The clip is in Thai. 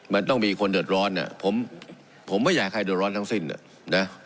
มันต้องมีคนเดือดร้อนผมไม่อยากให้ใครเดือดร้อนทั้งสิ้นนะ